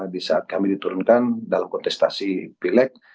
di saat kami diturunkan dalam kontestasi pilek